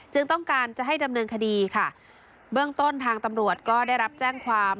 ต้องการจะให้ดำเนินคดีค่ะเบื้องต้นทางตำรวจก็ได้รับแจ้งความ